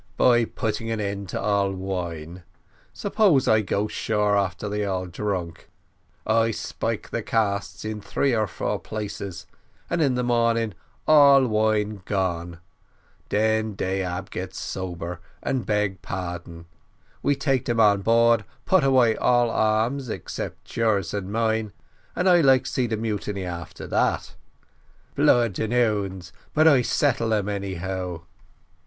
"By putting an end to all wine. Suppose I go shore after they all drunk, I spile the casks in three or four places, and in the morning all wine gone den dey ab get sober, and beg pardon we take dem on board, put away all arms 'cept yours and mine, and I like to see the mutiny after dat. Blood and 'ounds but I settle um, anyhow."